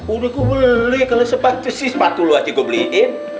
udah gue beli kalau sepatu sih sepatu lu aja gue beliin